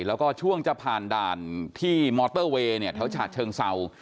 แล้วก็ช่วงจะผ่านด่านที่มอเตอร์เวย์เนี่ยแถวฉะเชิงเศร้า